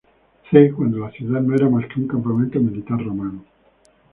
C, cuando la ciudad no era más que un campamento militar romano.